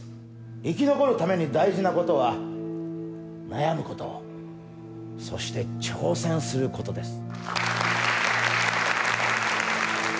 生き残るために大事な事は悩む事そして挑戦する事です。